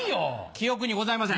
記憶にございません。